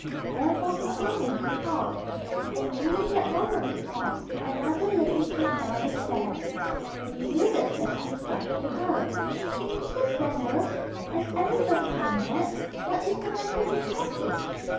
There was a moment's pause, and during that moment's pause another lady came down the stairs. The bewildered Cecil rushed to her. "Mrs. Danvers, has everybody gone mad? What is the matter with Hetty?"